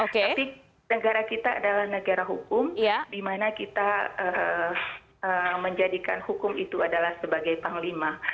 tapi negara kita adalah negara hukum di mana kita menjadikan hukum itu adalah sebagai panglima